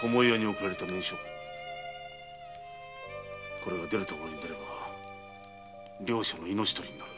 これが出るところへ出れば両者の命とりになる。